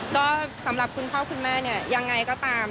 ก็สำหรับคุณพ่อคุณแม่เนี่ยยังไงก็ตาม